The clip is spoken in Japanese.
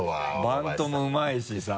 バントもうまいしさ。